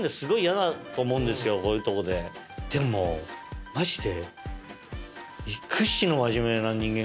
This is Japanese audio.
でもマジで。